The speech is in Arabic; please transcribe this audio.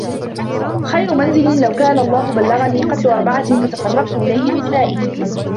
خَيْرُ مَنْزِلٍ لَوْ كَانَ اللَّهُ بَلَّغَنِي قَتْلَ أَرْبَعَةٍ فَتَقَرَّبْتُ إلَيْهِ بِدِمَائِهِمْ